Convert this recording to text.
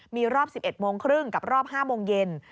มีรอบ๑๑โมงครึ่งกับรอบ๕โมงเย็น